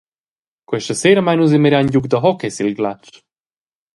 Questa sera mein nus a mirar in giug da hockey sil glatsch.